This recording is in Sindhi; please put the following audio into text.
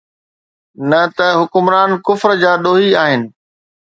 نه ته حڪمران ڪفر جا ڏوهي آهن.